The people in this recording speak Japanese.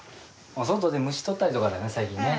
お外で虫とったりとかだよね最近ね。